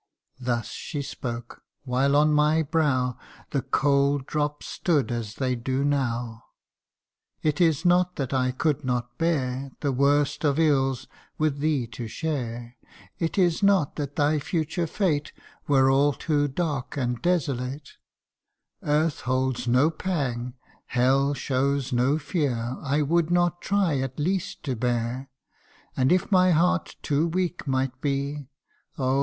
Thus she spoke ; while on my brow The cold drops stood as they do now : 1 It is not that I could not bear The worst of ills with thee to share : It is not that thy future fate Were all too dark and desolate : Earth holds no pang Hell shows no fear I would not try at least to bear ; And if my heart too weak might be, Oh